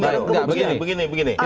nah begini begini